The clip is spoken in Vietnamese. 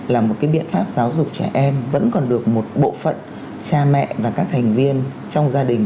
là một cái biện pháp giáo dục trẻ em vẫn còn được một bộ phận cha mẹ và các thành viên trong gia đình